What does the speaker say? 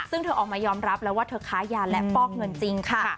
ซึ่งเธอออกมายอมรับแล้วว่าเธอค้ายาและฟอกเงินจริงค่ะ